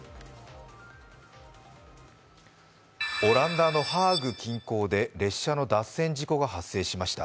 オランダのハーグ近郊で列車の脱線事故が発生しました。